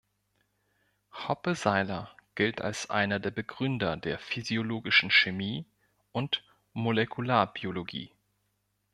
Hoppe-Seyler gilt als einer der Begründer der Physiologischen Chemie und Molekularbiologie.